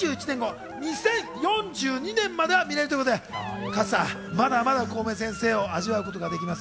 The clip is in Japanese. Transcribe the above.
２０４２年までは見られるということで、まだまだコウメ先生を味わうことができます。